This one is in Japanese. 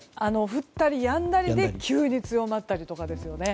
降ったりやんだりで急に強まったりですよね。